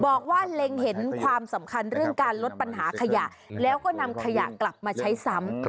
เล็งเห็นความสำคัญเรื่องการลดปัญหาขยะแล้วก็นำขยะกลับมาใช้ซ้ำ